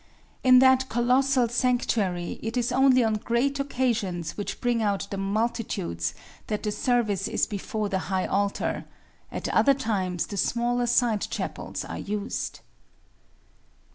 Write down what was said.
In that colossal sanctuary it is only on great occasions which bring out the multitudes that the service is before the high altar at other times the smaller side chapels are used.